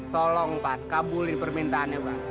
tolong pan kabulin permintaannya pan